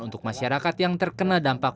untuk masyarakat yang terkena dampak